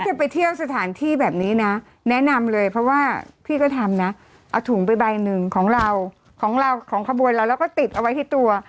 คือไปเที่ยวสถานที่แบบนี้นะแนะนำเลยเพราะว่าพี่ก็ทำนะเอาถุงไปใบหนึ่งของเราของเราของขบวนเราเราก็ติดเอาไว้ที่ตัว